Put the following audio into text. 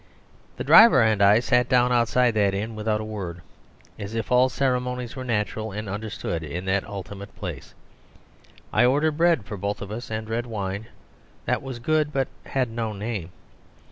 The driver and I sat down outside that inn without a word, as if all ceremonies were natural and understood in that ultimate place. I ordered bread for both of us, and red wine, that was good but had no name.